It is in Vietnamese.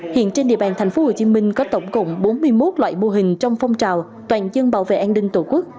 hiện trên địa bàn thành phố hồ chí minh có tổng cộng bốn mươi một loại mô hình trong phong trào toàn dân bảo vệ an ninh tổ quốc